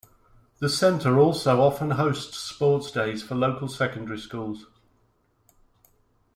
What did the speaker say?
The centre also often hosts sports days for local secondary schools.